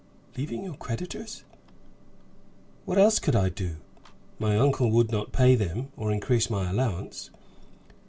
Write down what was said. "Leaving your creditors?" "What else could I do? My uncle would not pay them, or increase my allowance."